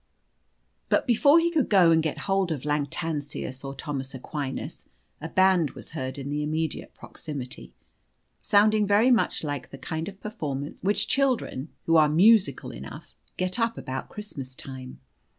But before he could go and get hold of Lactantius or Thomas Aquinas, a band was heard in the immediate proximity, sounding very much like the kind of performance which children who are musical enough get up about Christmas time.